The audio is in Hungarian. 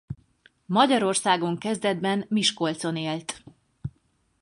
Magyarországon kezdetben Miskolcon élt.